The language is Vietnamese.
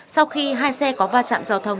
sau khi hai xe có va chạm giao thông